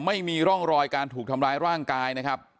ไม่มีร่องรอยการถูกทำร้ายร่างกายนะครับ